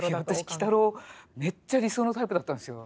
めっちゃ理想のタイプだったんですよ。